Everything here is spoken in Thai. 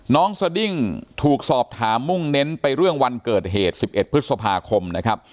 สดิ้งถูกสอบถามมุ่งเน้นไปเรื่องวันเกิดเหตุ๑๑พฤษภาคมนะครับ